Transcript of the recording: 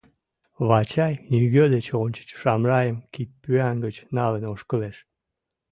Вачай нигӧ деч ончыч Шамрайым кидпӱан гыч налын ошкылеш.